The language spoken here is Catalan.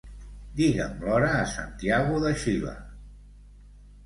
Digue'm l'hora a Santiago de Xile.